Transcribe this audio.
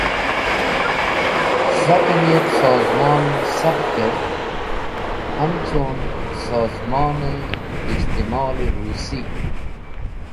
Saken yet sozmonen sabt kett, hamchun sozmon-e ijtimo’I Rusi.